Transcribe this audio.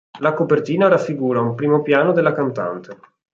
La copertina raffigura un primo piano della cantante.